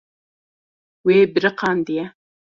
Wê biriqandiye.